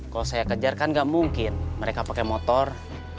kalau saya kejar kan gak mungkin mereka pakai motor